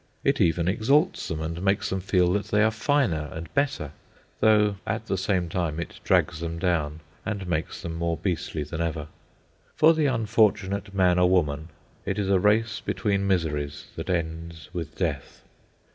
It even exalts them, and makes them feel that they are finer and better, though at the same time it drags them down and makes them more beastly than ever. For the unfortunate man or woman, it is a race between miseries that ends with death.